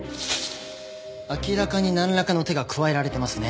明らかになんらかの手が加えられてますね。